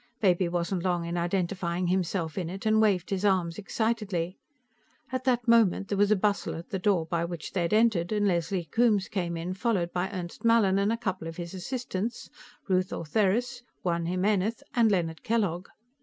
Baby wasn't long in identifying himself in it, and waved his arms excitedly. At that moment, there was a bustle at the door by which they had entered, and Leslie Coombes came in, followed by Ernst Mallin and a couple of his assistants, Ruth Ortheris, Juan Jimenez and Leonard Kellogg.